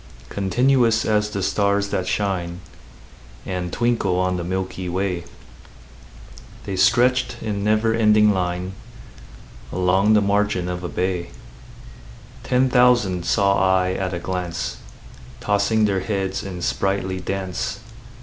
Continuous as the stars that shine And twinkle on the milky way, The stretched in never ending line Along the margin of a bay: Ten thousand saw I at a glance, Tossing their heads in sprightly dance.